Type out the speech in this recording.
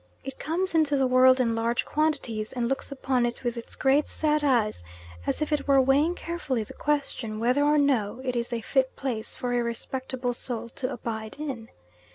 It comes into the world in large quantities and looks upon it with its great sad eyes as if it were weighing carefully the question whether or no it is a fit place for a respectable soul to abide in.